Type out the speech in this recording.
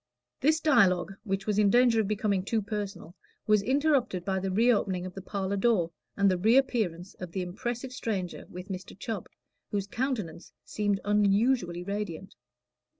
This dialogue, which was in danger of becoming too personal, was interrupted by the reopening of the parlor door, and the reappearance of the impressive stranger with Mr. Chubb, whose countenance seemed unusually radiant.